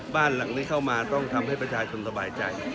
บ้านหลังนี้เข้ามาต้องทำให้ประชาชนสบายใจ